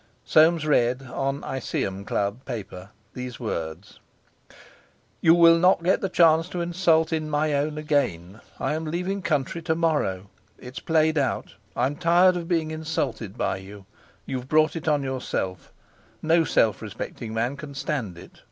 Soames read, on Iseeum Club paper, these words: 'You will not get chance to insult in my own again. I am leaving country to morrow. It's played out. I'm tired of being insulted by you. You've brought on yourself. No self respecting man can stand it.